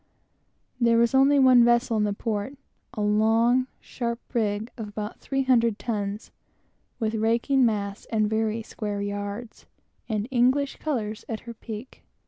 There was only one vessel in the port a long, sharp brig of about 300 tons, with raking masts and very square yards, and English colors at her peak.